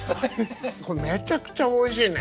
これめちゃくちゃおいしいね。